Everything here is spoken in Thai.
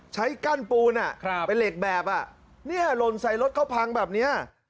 ใช้กั้นปูนเป็นเหล็กแบบหล่นใส่รถเขาพังแบบนี้